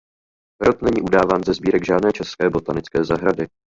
Rod není udáván ze sbírek žádné české botanické zahrady.